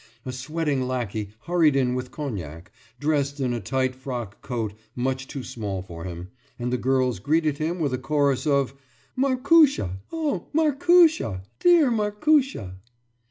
A sweating lackey hurried in with cognac, dressed in a tight frocks coat much too small for him, and the girls greeted him with a chorus of: »Màrkusha! Oh, Màrkusha! Dear Màrkusha!